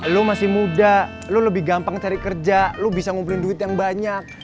lo masih muda lo lebih gampang cari kerja lo bisa ngobrolin duit yang banyak